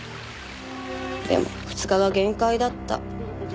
でも２日が限界だった。